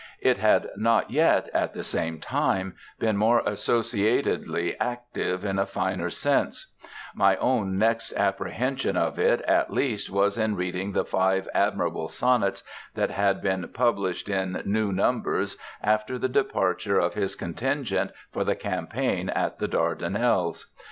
It had not yet, at the same time, been more associatedly active in a finer sense; my own next apprehension of it at least was in reading the five admirable sonnets that had been published in "New Numbers" after the departure of his contingent for the campaign at the Dardanelles.